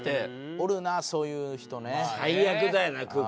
おるなそういう人ね。